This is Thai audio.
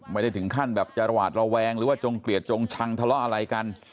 ไม่ได้ถึงขั้นแบบจะหวาดระแวงหรือว่าจงเกลียดจงชังทะเลาะอะไรกัน